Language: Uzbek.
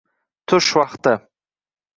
Tush vaqti